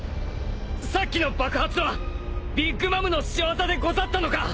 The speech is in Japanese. さっきの爆発はビッグ・マムの仕業でござったのか？